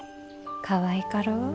かわいかろう。